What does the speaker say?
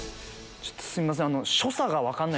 ちょっとすいません。